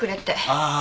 ああ。